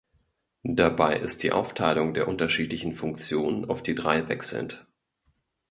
Dabei ist die Aufteilung der unterschiedlichen Funktionen auf die drei wechselnd.